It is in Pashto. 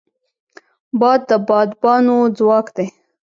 باد د بادبانو ځواک دی